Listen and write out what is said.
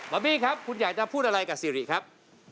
บี้ครับคุณอยากจะพูดอะไรกับสิริครับ